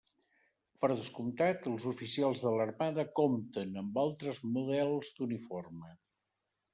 Per descomptat, els oficials de l'Armada compten amb altres models d'uniforme.